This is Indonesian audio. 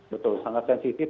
betul sangat sensitif